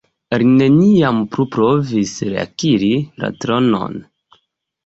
Li neniam plu provis reakiri la tronon.